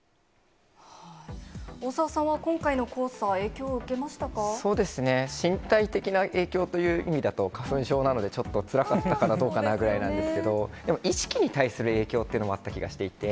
大澤さんは今回の黄砂、そうですね、身体的な影響という意味だと、花粉症なので、ちょっとつらかったかなぐらいなんですけど、でも、意識に対する影響っていうのもあった気がしていて、